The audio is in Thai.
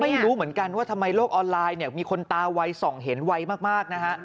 ไม่รู้เหมือนกันว่าทำไมโลกออนไลน์มีคนตาไว๒เห็นไวมากนะ